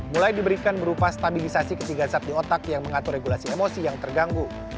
mulai diberikan berupa stabilisasi ketiga zat di otak yang mengatur regulasi emosi yang terganggu